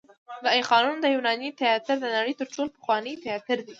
د آی خانم د یوناني تیاتر د نړۍ تر ټولو پخوانی تیاتر دی